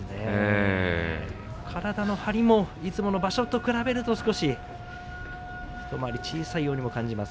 体の張りもいつもの場所と比べると少し一回り小さいようにも感じます